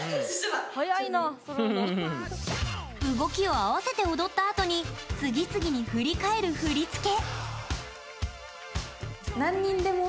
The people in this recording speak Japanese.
動きを合わせて踊ったあとに次々に振り返る振り付け。